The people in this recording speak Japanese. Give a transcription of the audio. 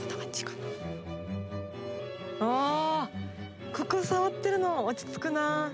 あここ触ってるの落ち着くな。